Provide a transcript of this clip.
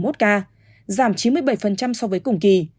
so với cùng kỳ